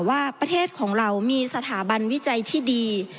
ว่าประเทศของเรามีสถาบันวิจัยที่ดี